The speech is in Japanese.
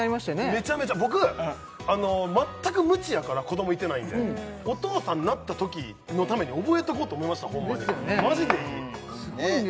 めちゃめちゃ僕全く無知やから子供いてないんでお父さんなったときのために覚えとこうと思いましたホンマにですよね